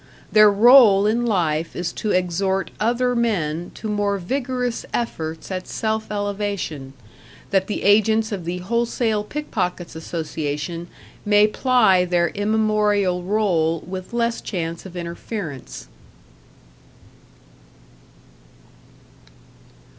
Their role in life is to exhort other men to more vigorous efforts at self elevation, that the agents of the Wholesale Pickpockets' Association may ply their immemorial role with less chance of interference.